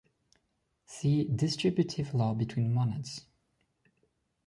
See: distributive law between monads.